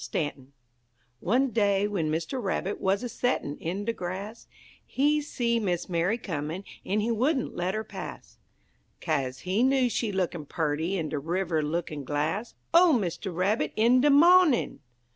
STANTON One day w'en Mister Rabbit wuz a settin' in de grass He see Miss Mary comin', en he wouldn't let her pass, Kaze he know she lookin' purty in de river lookin'glass, O Mister Rabbit, in de mawnin'!